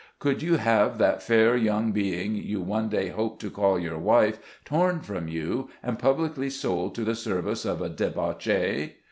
Could you have that fair young being you one day hope to call your wife torn from you, and publicly sold to the service of a debauchee